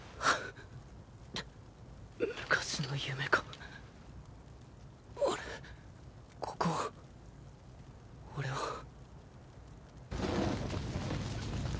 あれここは？俺は。